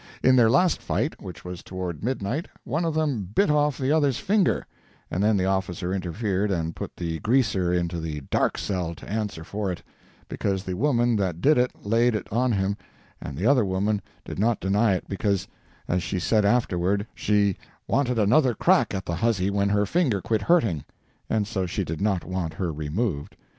In their last fight, which was toward midnight, one of them bit off the other's finger, and then the officer interfered and put the "Greaser" into the "dark cell" to answer for it—because the woman that did it laid it on him, and the other woman did not deny it because, as she said afterward, she "wanted another crack at the huzzy when her finger quit hurting," and so she did not want her removed.